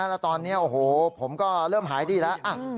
แล้วตอนนี้โอ้โหผมก็เริ่มหายดีแล้ว